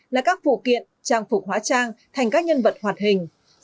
là các phụ kiện trang phục hóa trang thành các nhân vật hoạt hình